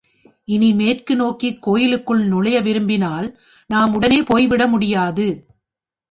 இனி மேற்கு நோக்கிக் கோயிலுள் நுழைய விரும்பினால் நாம் உடனே போய்விட முடியாது.